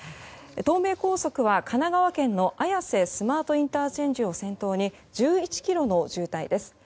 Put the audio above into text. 東名高速は神奈川県の綾瀬スマートＩＣを先頭に１１ｋｍの渋滞です。